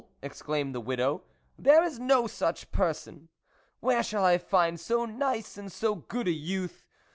" exclaimed the widow, " there is no such person. Where shall I find so nice and so good a youth